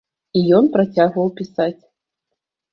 І ён працягваў пісаць.